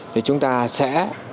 thì chúng ta sẽ